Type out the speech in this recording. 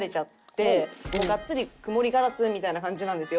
がっつり曇りガラスみたいな感じなんですよ。